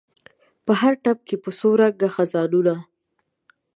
په هر ټپ کې په څو رنګه خزانونه